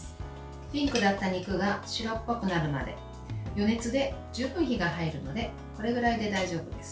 ピンクだった肉が白っぽくなるまで余熱で十分火が入るのでこれぐらいで大丈夫です。